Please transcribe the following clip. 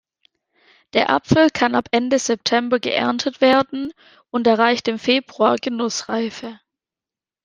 Der Apfel kann ab Ende September geerntet werden und erreicht im Februar Genussreife.